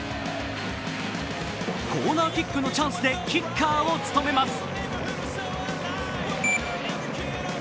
コーナーキックのチャンスでキッカーを務めます。